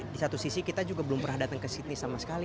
di satu sisi kita juga belum pernah datang ke sydney sama sekali